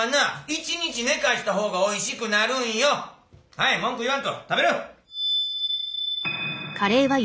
はい文句言わんと食べる！